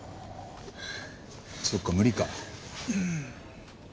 そっか無理か。